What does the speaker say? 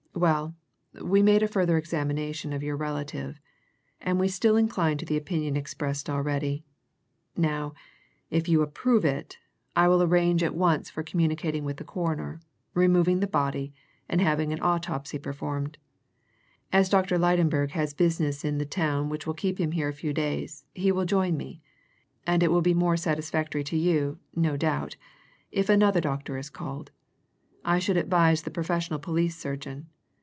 "Well, we made a further examination of your relative, and we still incline to the opinion expressed already. Now, if you approve it, I will arrange at once for communicating with the Coroner, removing the body, and having an autopsy performed. As Dr. Lydenberg has business in the town which will keep him here a few days, he will join me, and it will be more satisfactory to you, no doubt, if another doctor is called I should advise the professional police surgeon.